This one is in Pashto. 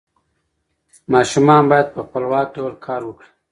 ماشومان باید په خپلواک ډول کار وکړي.